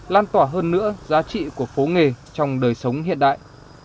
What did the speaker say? lan tỏa hơn nữa giá trị của phố nghề trong đời sống hiện đại